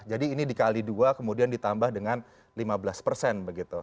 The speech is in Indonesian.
jadi ini dikali dua kemudian ditambah dengan lima belas persen